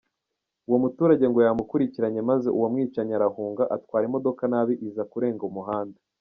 Uwo muturage ngo yamukurikiranye maze uwo mwicanyi arahunga, atwara imodoka nabi iza kurenga umuhanda.